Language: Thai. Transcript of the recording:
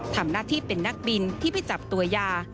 ทำหน้าที่เป็นนักบินที่ไปจับตัวยา